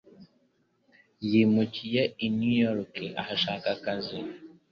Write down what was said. Yimukiye i New York, ahashaka akazi.